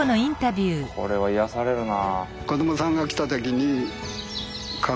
これは癒やされるな。